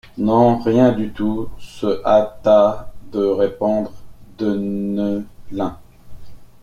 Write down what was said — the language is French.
Non rien du tout, se hâta de répondre Deneulin.